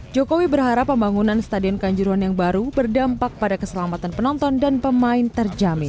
jokowi berharap pembangunan stadion kanjuruhan yang baru berdampak pada keselamatan penonton dan pemain terjamin